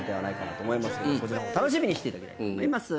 そちらも楽しみにしていただきたいと思います。